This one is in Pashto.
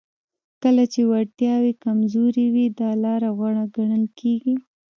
کله چې وړتیاوې کمزورې وي دا لاره غوره ګڼل کیږي